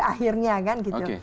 akhirnya kan gitu